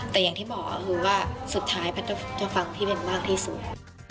แต่อย่างที่บอกก็คือว่าสุดท้ายแพทย์จะฟังพี่เบนมากที่สุด